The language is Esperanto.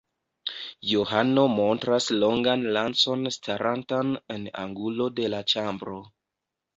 Johano montras longan lancon starantan en angulo de la ĉambro.